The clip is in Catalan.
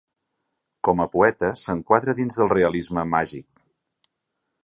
Com a poeta s'enquadra dins del realisme màgic.